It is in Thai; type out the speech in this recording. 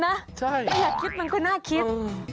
ไม่อยากคิดมันก็น่าคิด